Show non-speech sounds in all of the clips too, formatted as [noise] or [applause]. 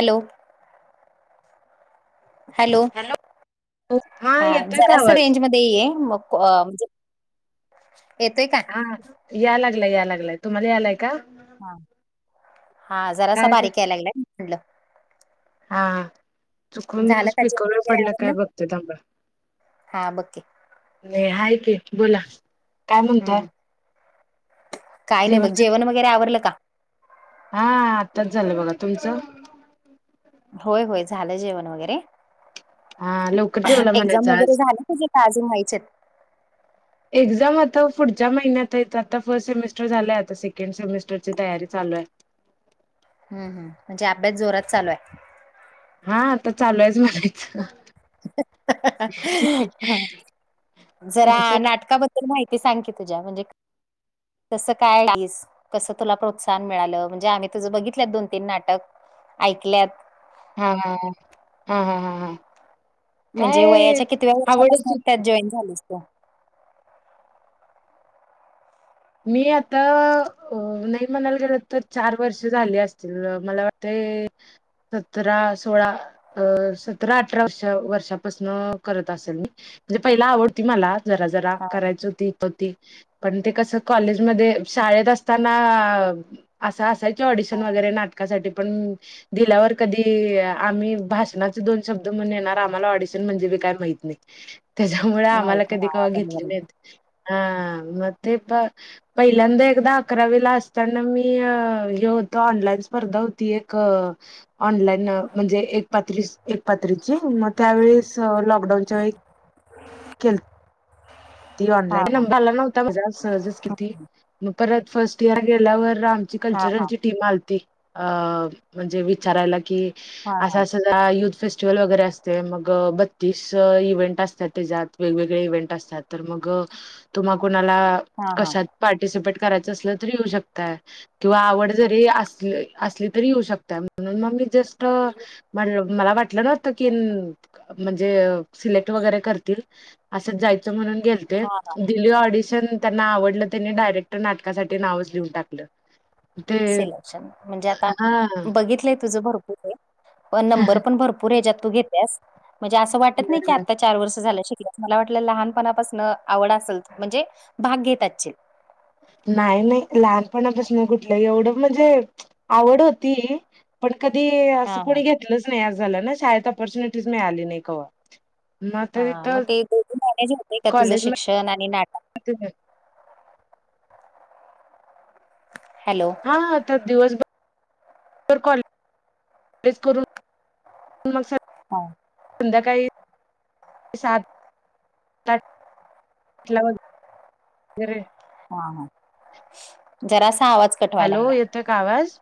Hello. Hello,, हा येतोय का जरासं आवाज रेंज मध्ये ते ए मग,, येतय काय? हां यां लागलांय यां लागलांय तुम्हांला आलांय कां- हां हां जरांसा बारीक यायंला लागंला म्हटलं - आं चुकूंन झालं का स्पीकरं जेवण वरं वगैरे पडलां कां आवरलं कायं बघते थांबा हा बघ की - नाहीं आहे की बोलां कायं म्हणतोय- कायं नांय बघं जेवणं वगैरें आवरलं कां? हां आत्ताचं झालं बघां तुमचं- होयं होयं झालंय जेवणं वैगेरें - हा लवकर जेवला एक्झांम म्हणायचं वगैरें आज झाली तुझे कां अजूंन व्हांयचेत आहे तं- एक्झांम आंता पुढच्यां महिन्यांत आहेतं आंता फर्स्ट सेमिस्टर झालंय आंता सेकंड सेमिस्टरची तयारी चालूं आहे. हम्मं हम्मं म्हणजे अभ्यास जोरांत चालूं आहे. हां आंता चालूं आहेचं म्हणायचं - हं हं हं तुमचे जरां नाटकां बद्दल - माहिती सांग की तुझ्यां म्हणजे कसं कायं आलिस- कसं तुलां प्रोत्साहन मिळालं म्हणजे आम्हीं तुझं बघितल्यांत दोन-तीन नाटकं ऐकल्यांत- हां हां हां हां म्हणजे वयांच्या कितव्यां वर्षापासंन आवडच त्यांत जॉईन झालीस तूं - मी आंता अं नाहीं म्हणांयला गेलो तरं चार वर्ष झाली असतील मलां वाटतं - सतरा-सोळा अं सतरा अठरा वर्ष वर्षापासंन करतं असलं मी म्हणजे पहिला आवडती मलां- जरां जरां हा करांयची होती ती पणं ते कसं - कॉलेजमध्यें शाळेंत असतांना. असं असायचं की ऑडिशन वगैरें नाटकांसाठी पणं. दिल्यांवर कधीं आम्हीं भाषणांचे दोन शब्दं म्हणूंन येणारं आम्हांला ऑडिशन म्हणजे कायं? माहित नाहीं. त्यांच्यामुळे माहित आम्हांला आहे. कधीं हा कवां बरोबर घेतली आहे नाहीं की. हां मंग ते प. पहिल्यांदा एकदां अकरावीेला असतांना मी हे होतो ऑनलाईन.. स्पर्धा होती एक.. ऑनलाईन म्हणजे एक पात्री एक पात्रीची मगं त्यांवेळेस लॉकडाऊनच्यां वेळी.. केलती हा ऑनलाईन नं हा. भरंला नव्हतां माझां सहंज किती मंग परंत फर्स्ट इयंर गेल्यांवर आमची हा कल्चरलं हा. ची टीम आं. ते अं म्हणजे विचारांयला की हा असं हा. असं.. आं युंथ फेस्टिव्हल वगैरें असते मगं बत्तीस इव्हेंट असतांत. तेजांत वेगवेगळे इव्हेंट असतांत तरं मंग तुम्हांला कोणांला हा हा. कशा.. पार्टिसिपेट करायचं असलं तरी येऊं शकतांय. किंवा आवडतं जरी असं असली तरी येऊं शकतां म्हणूंन मंग मी जस्टं म्हं.. मलां वाटलं नव्हतं की म्हणजे सिलेक्टं वगैरें करं.. असं जायचं म्हणूंन गेलते. हा हा. दिली ऑडिशन त्यांना आवडलं त्यांनी डायरेक्टर नाटकांसाठी नावंच लिहूंन टाकलं. ते सिलेक्शंन म्हणजे आंता हा बघितलंय तुझं भरंपूर आहे व नंबर पणं भरंपूर. पुरेच्यांत तूं घेतल्यांस म्हणजे असं वाटतं नाहीं की आंता चार वर्ष झालं शिकल्यास.. मलां वाटलं लहांन पणांपासंन आवडतं असेल म्हणजे भांग घेतं असचील नाहीं नाहीं लहांन पणांपासूंन कुठलंही एवढं म्हणजे आवडं होती. पणं कधीं हा असं हा. कोणी घेतलंच नाहीं आं झालं नां शाळेंत ऑपॉर्च्युनिटीज मिळांली नाहीं कां? हां मंग ते दो मनेजे होते कां तुझं शिक्षणं आणि नाटकं. होते त्यांत हॅलो, हा आता दिवसभर. दिवसबर कॉलेज कॉलेज करून मग सग.. हा, संध्याकाळी सात आठ. लावत जरे, हा ह जरासा आवाज. कट व्हायला हॅलो लागलाय. येतोय का आवाज?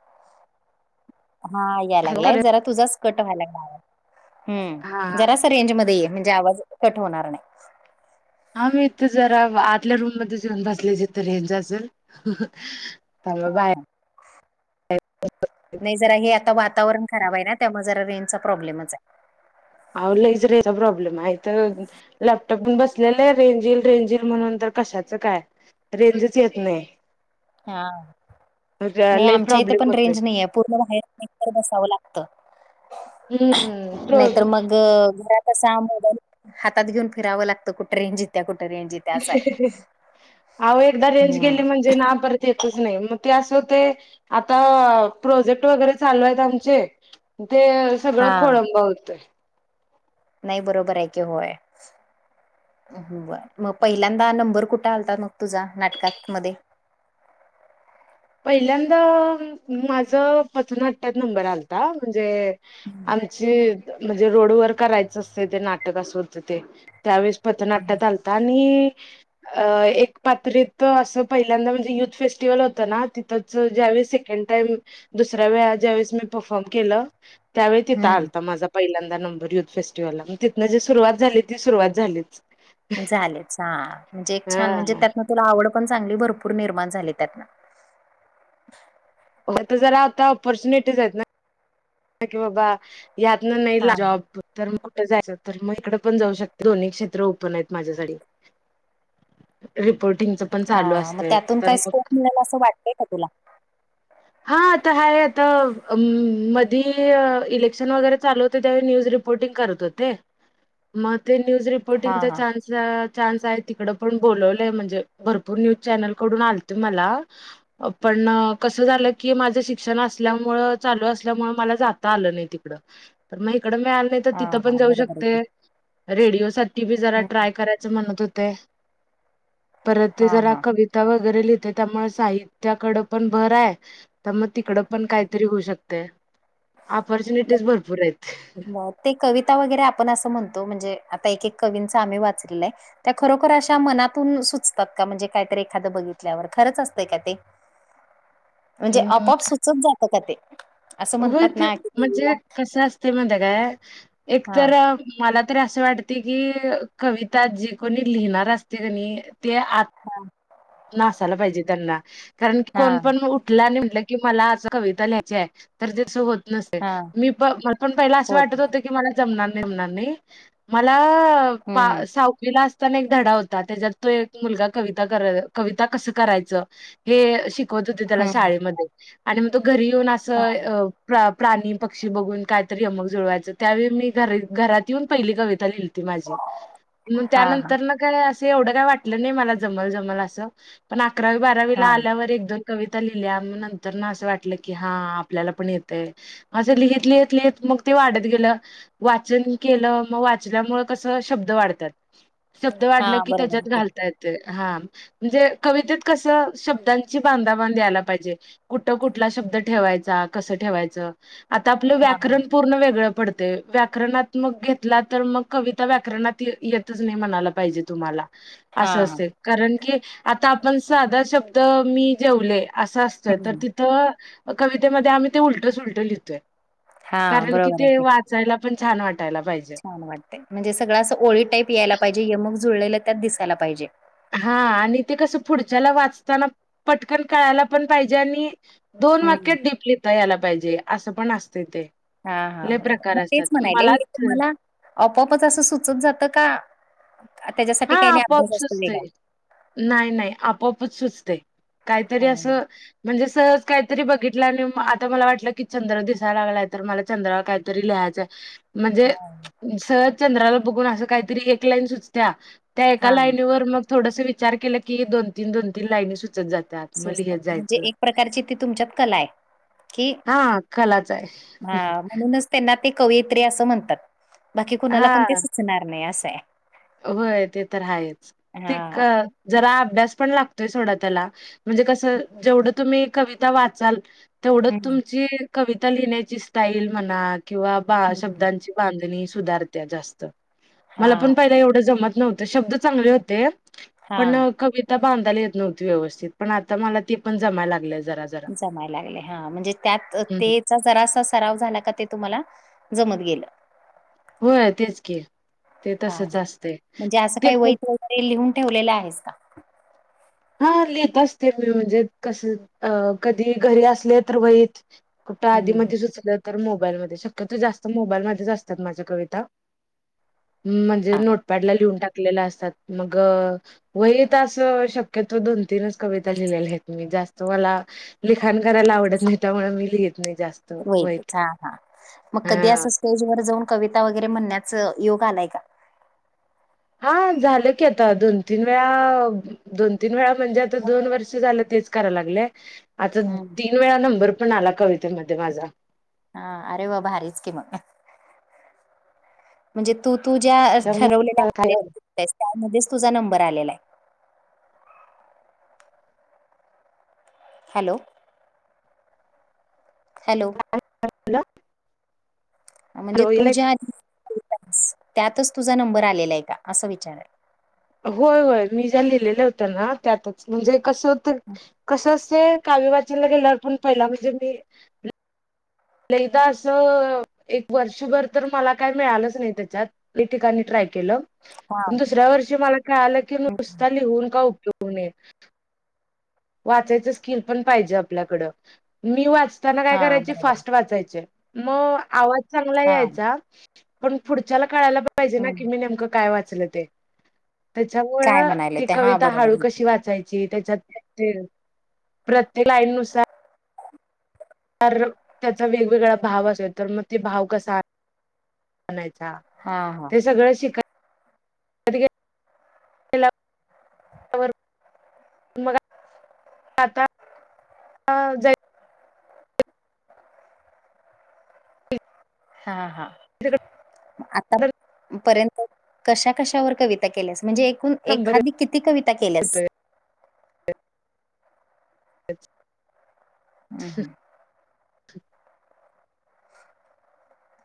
हा याय लागलाय जरा तुझाच कट व्हायला हा लागलय हा जरासा, रेंज मध्ये म्हणजे आवाज कट होणार नाही. हा मी इथ जरा आतल्या रूम मध्ये येऊन बसले ह असेल. आलो बाहेर, नाही जरा हे आता वातावरण खराब आहे ना त्यामुळे जरा रेंजचा प्रॉब्लेमच आहे. आहो लयच रेंजचा प्रॉबलेम हाय इथ, लॅपटॉप घेऊन बसलेलं रेंज रेंज म्हणून तर कशाचं काय? रेंजच येत नाही. हा नाही लई आमच्या इथे प्रॉब्लेम पण होतोय रेंज नाही आहे. पूर्ण बाहेर कुठं तर बसावं लागत हम्म प्रो नाहीतर मग घरात. कसा मोबाईल हातात घेऊन फिरावं लागतं कुठें रेंज येतीया कुठ रेंज येतीया. आहों एकदा रेंज गेली हम्म म्हणजे ना पर.. येतच नाही मग ते असं ते आता प्रोजेक्ट वगैरे चालू आहेत आमचे. ते हा सगळं खोळंब होतंय. नाही बरोबर की होय. मग पहिल्यांदा नंबर कुठं आलता मग तुझा नाटकामध्ये, पहिल्यांदा माझ पथनाट्यात नंबर आलाता म्हणजे? आमचे म्हणजे रोडवर करायचं असते ते नाटक अस होतं ते, त्यावेळेस पथनाट्यात आल! आणि अ एक पात्रित असं पहिल्यांदा म्हणजे युथ फेस्टिवल होतं ना? तिथंच ज्यावेळेस सेकंड टाईम दुसऱ्या वेळा ज्यावेळेस मी परफॉर्म केलं. त्यावेळी तिथ हम्म आलता माझा? पहिल्यांदा नंबर युथ फेस्टिव्हलला मग तिथं जी सुरुवात झाली ती सुरुवात झालीच. झालेच ह म्हणजे एक हा छान म्हणजे त्यातन तुला आवड पण चांगली भरपूर निर्माण झाली त्यातन? हो तर जरा होता ऑपॉर्च्युनिटीज आहेत की यातन नाही हा जॉब, तर मग कुठं तर मग इकडे पण जाऊ शकते दोन्ही क्षेत्र आहेत माझ्यासाठी, रिपोर्टिंगचा, हां, मग त्यातून काय स्कोप मिळेल असं वाटतय का तुला, हा आता आहे आता म, धी इलेक्शन वगैरे चालू होते त्यावे न्यूज रिपोर्टिंग वगरे करत होते. मग ते न्यूज हा रिपोर्टिंगचा हा चान्स, चान्स आहे तिकड पण बोलवलं म्हणजे भरपूर न्यूज चॅनल कडून आलते मला? पण कसं झालं की माझं शिक्षण असल्यामूळ, चालू असल्यामुळे? मला जात आलं नाही तिकड तर मग इकडं मिळालं नाही तर हा तिथं हा पण जाऊ बरोबर आहे की शकते. रेडिओ साठी बी जरा हम्म, ट्राय करायचं म्हणत होते. परत ते हा जरा हा. कविता वगैरे लिहिते त्यामुळे साहित्याकडं पण भर आहे. तर मग तिकडं पण कायतरी होऊ शकते. ऑपॉर्च्युनिटीज भरपूर आहेत. ते कविता वगैरे आपण असं म्हणतो म्हणजे आता एक एक कवींच आम्ही वाचलेलंय. त्या खरोखर अशा मनातून सुचतात का म्हणजे काहीतरी एखादं बघितल्यावर खरंच असतंय का ते? म्हणजे अ आपोआप सुचत जात का ते? असं होय, म्हणतात ते ना की म्हणजे टीव्हीला कसं असते माहिती आहे का हा एकतर.. मला तरी असं वाटते की कविता जे कोणी लिहिणार असते कणी ते आ.... हां! नासायला पाहिजे त्यांना कारण की हा कोण पण उठला आणि म्हट की मला अस कविता लिहायची आहे तर तेसं होत नसेल हा मी प मला पण पहिला असं वाटत होत की.... मला जमणार बीमणार नाही, मला हम्म हम्म साहविला आस धडा होता त्याच्यात तो एक मुलगा कविता कस करायच हे श शिकवत होते त्याला हम्म. शाळेमध्ये आणि मग तो घरी येऊन हा असं अ प्राणी पक्षी बघून कायतरी यमक जुळवायचं त्यावेळी मी घरी घरात येऊन पहिली कविता लिहिली. माझी मग हा त्यानंतर ना काय असं एवढं काय वाटलं नाही मला जमल जमल असं.. पण अकरावी बारावी ला हा आल्यावर एक दोन कविता लिहिल्या नंतर ना असं वाटलं की हां आपल्याला पण येतय. असं लिहित लिहीत मग ते वाढत गेलं. वाचन केलं मग वाचल्यामुळे कसं शब्द वाढतात. शब्द हा वाढला की बरोबर आहे त्याच्यात घालता येतय हां. म्हणजे कवितेत कस शब्दांची बांधाबांधी यायला पाहिजे. कुठ कुठला शब्द ठेवायचा कसं ठेवायचं आता आपलं हा व्याकरण पूर्ण वेगळं पडतं. ते व्याकरणात मग घेतला तर मग कविता व्याकरणात येतच नाही म्हणाला पाहिजे तुम्हाला. हा असं असत, कारण की आता आपण साधा शब्द मी जेवले असं तर हम्म तिथं कवितेमध्ये आम्ही ते उलट सुलटं लिहतोय. हा कारण कि बरोबर आहे. ते वाचायला छान वाटायला पाहिजे. छान वाटतं, म्हणजे असं ओळी टाईप यायला पाहिजे यमग जुळलेलं त्यात दिसायला पाहिजे. हां, आणि ते कसं पुढच्याला वाचताना पटकन कळायला पण पाहिजे आणि..... दोन हम्म. वाक्यांत डीप लिता यायला पाहिजे असं पण असतं ते. हा हा लय प्रकार मग असतात तेच म्हणाले हे मलाच तुम्हाला आपपच असं सुचत जातं का त्याच्यासाठी हा काही नाही आपोआप अभ्यास असतो सुचतंय. वेगळा. नाही नाही आपोपच सुचते काहीतरी हां असं म्हणजे सहज काहीतरी बघितलं आणि आता मला वाटलं की चंद्र दिसायला लागलाय तर मला चंद्र काय तरी लिहायचं म्हणजे हां, सहज चंद्राला बघून असं काहीतरी एक लाईन सुचत्या त्या एका हां. लाईनीवर मग थोडसं विचार केलं की दोन तीन दोन तीन लाईनी सुचत जातात. मग तात. लिहत म्हणजे जायचं. एक प्रकारची ती तुमच्यात कला आहे. की हा कलाच आहे. हां म्हणूनच त्यांना ते कवयित्री असं म्हणतात. बाकी कुणाला पण ते सुचणार नाही असं आहे. व्हय ते तर आहेच ते हां का जरा अभ्यास पण लागतोय सोडा त्याला म्हणजे कसं जेवढं तुम्ही कविता वाचाल तेवढंच हम्म. तुमची कविता लिहिण्याची स्टाईल म्हणा किंवा बा हम्म शब्दांची बांधणी सुधारत्या जास्त मला हां पण पहिला एवढं जमत नव्हतं शब्द चांगले होते. पण हां कविता बांधयला येत नव्हती व्यवस्थित पण आता मला ती पण जमायला लागले जरा जरा. जमायला लागले. हा म्हणजे त्यात हं, ते जरासा सराव झाला का ते तुम्हाला जमत गेलं. होय तेच कि ते तसचं असते. ते खूप ते लिहून ठेवलेले आहेस का. हा लीहीत असते मी म्हणजे कसं अ कधी घरी असले तर वहीत. कुठं हम्म. आधीमधी सुचलं तर मोबाईलमध्ये. शक्यतो जास्त मोबाईल मध्येचं असतात माझ्या कविता. म्हणजे हा नोटपॅडला लिहून टाकलेला असतात. मग वहीत असं शक्यतो दोन तीनच कविता लिहिलेल्यायेत मी. जास्त मला लिखाण करायला आवडत नाही. त्यामुळे मी लिहीत नाही जास्त वहीत वहीतच हा हा. मग कधी हा असं स्टेज वर जाऊन कविता वगैरे म्हणण्याच योग आलाय का? हा झालं की आता. दोन तीन वेळा दोन तीन वेळा म्हणजे आता दोन वर्ष झाले तेच करा लागले. आता हम्म. तीन वेळा नंबर पण आला कवितेमध्ये माझा. हा अरे वा भारीच की म. म्हणजे तू तुझ्या ठरवलेला त्यामुळं काय हॅलो [unintelligible] त्यामध्येचं तुझा नंबर आलेलाय? हॅलो. हॅलो. [unintelligible] म्हणजे तुझ्या [unintelligible] त्यातच तुझा नंबर आलेलाय का? असं विचारा होय होय मी ज्या लिहिलेल्या होत्याना त्यातच. म्हणजे कसं होत. कसं असते. काल वाचाला गेल्यावर पण पहिला म्हणजे मी लहिता असं, एक वर्षभर तर मला कायं मिळालंच नाही त्याच्यात. लई ठिकाणी ट्राय केलं. हा दुसऱ्या वर्षी मला कळालं की, हम्म नुसता लिहून का उपयोग नये. वाचायचं स्किल पण पाहिजे आपल्याकडं. मी वाचताना काय हा करायची बरोबर फास्ट वाचायचे. मग आवाज चांगला हा यायचा. पण पुढच्याला काळाला पाहिजे ना हम्म की मी नेमकं काय वाचलं ते. काय त्याच्यामुळं म्हणायले ती ते हा कविता हळू बरोबर कशी वाचायची. त्याच्यात तिळ प्रत्येक लाईन नुसार तर त्याचा वेगवेगळा भाव असेल. तर म ते भाव कसा आनायचा. हा. हा. हे सगळं शिकत [unintelligible] मग आ आता [unintelligible] हा हा. तिकडं आता पर्यंत कशा कशावर कविता केल्यास? म्हणजे एकूण नंबर एखादी किती कविता केल्यास? येतोय. हम्म हम्म.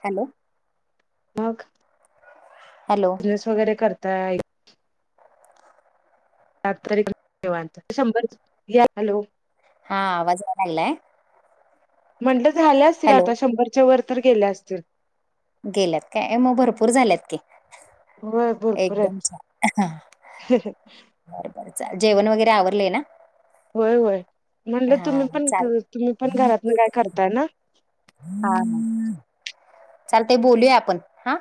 हॅलो. मग? हॅलो. प्रेस वगैरे करताय. सात तारीख शंभर हॅलो [unintelligible] हा आवाज यायलागलाय? म्हंणलं झाल्या असतील हॅलो, आता. शंभरच्या वर तर गेल्या असतील. गेल्यात काय? मग भरपूर झाल्यात की. होय भरपूर एकदम आहेत. छान. बर बर चाल. जेवण वगैरे आवरलेय ना? होय होय. म्हणलं हां, तुम्ही पण, चालेल. तुम्ही पण घरातन काय करताय ना? हा. चालतंय बोलूया आपण हां.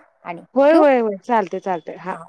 होय, होय, होय, चालतंय चाल हा.